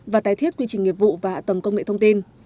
và tái thiết quy trình nghiệp vụ và hạ tầng công nghệ thông tin